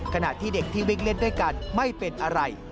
ขณะที่เด็กที่วิ่งเล่นด้วยกันไม่เป็นอะไร